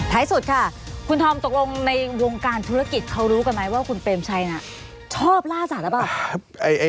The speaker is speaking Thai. สุดค่ะคุณธอมตกลงในวงการธุรกิจเขารู้กันไหมว่าคุณเปรมชัยน่ะชอบล่าสัตว์หรือเปล่า